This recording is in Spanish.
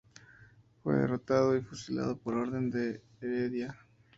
Fue derrotado y fusilado por orden de Heredia.